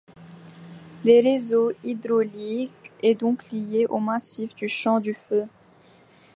Le réseau hydraulique est donc lié au massif du Champ du Feu.